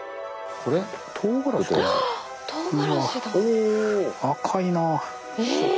お赤いな。